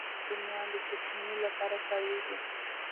رومیان د چټني لپاره کارېږي